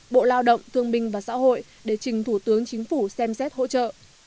bộ lao động thương binh và xã hội để trình thủ tướng chính phủ xem xét hỗ trợ